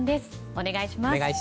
お願いします。